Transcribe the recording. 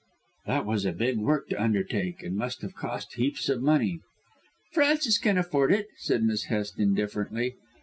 "That was a big work to undertake, and must have cost heaps of money." "Francis can afford it," said Miss Hest indifferently.